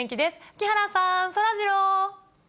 木原さん、そらジロー。